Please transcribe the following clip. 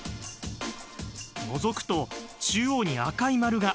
のぞくと中央に赤い丸が。